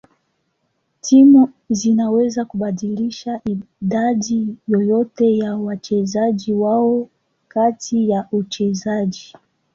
Timu zinaweza kubadilisha idadi yoyote ya wachezaji wao kati ya uchezaji.